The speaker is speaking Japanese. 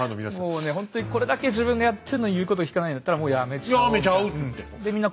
もうねほんとにこれだけ自分がやってるのに言うことを聞かないんだったらもうやめちゃおうみたいな。